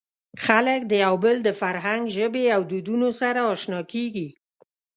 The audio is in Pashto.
خلک د یو بل د فرهنګ، ژبې او دودونو سره اشنا کېږي.